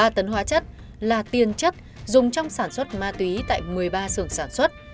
ba tấn hóa chất là tiền chất dùng trong sản xuất ma túy tại một mươi ba xưởng sản xuất